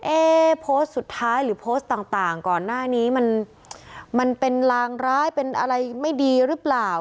โพสต์สุดท้ายหรือโพสต์ต่างก่อนหน้านี้มันเป็นลางร้ายเป็นอะไรไม่ดีหรือเปล่า